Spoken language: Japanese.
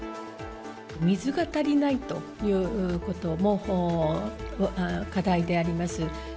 水が足りないということも課題であります。